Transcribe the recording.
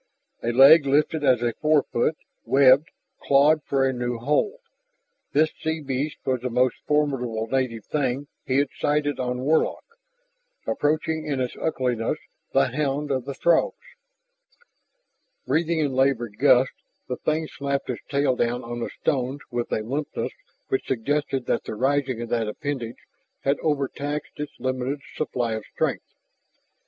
A leg lifted as a forefoot, webbed, clawed for a new hold. This sea beast was the most formidable native thing he had sighted on Warlock, approaching in its ugliness the hound of the Throgs. Breathing in labored gusts, the thing slapped its tail down on the stones with a limpness which suggested that the raising of that appendage had overtaxed its limited supply of strength.